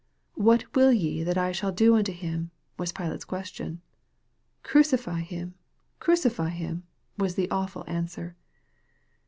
" What will ye that I shall do unto him ?" was Pilate's question. u Crucify him, crucify him," was the awful answer.